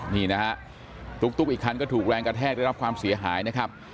นี่นะฮะตุ๊กอีกคันก็ถูกแรงกระแทกได้รับความเสียหายนะครับ